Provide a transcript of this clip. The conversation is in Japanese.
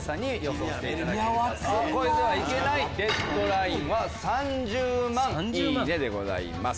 超えてはいけないデッドラインは３０万いいねでございます。